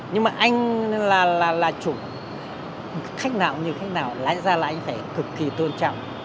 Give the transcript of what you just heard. nhưng mà anh là chủ khách nào như thế nào lái ra là anh phải cực kỳ tôn trọng